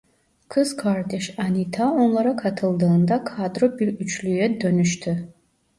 Kız kardeş Anita onlara katıldığında kadro bir üçlüye dönüştü.